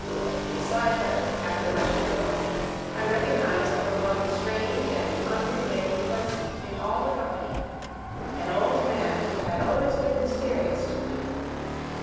Beside her, after much difficulty, I recognized the one strange and unrelated person in all the company, an old man who had always been mysterious to me.